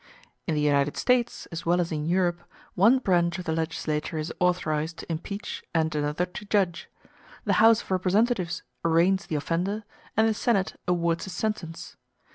In the United States, as well as in Europe, one branch of the legislature is authorized to impeach and another to judge: the House of Representatives arraigns the offender, and the Senate awards his sentence.